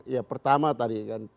ya pertama tadi kan